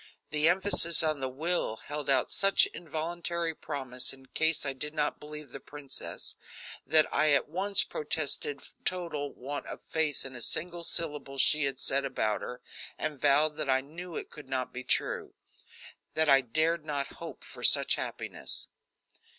The emphasis on the "will" held out such involuntary promise in case I did not believe the princess, that I at once protested total want of faith in a single syllable she had said about her, and vowed that I knew it could not be true; that I dared not hope for such happiness.